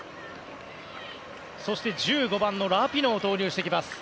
そして１５番のラピノを投入してきます。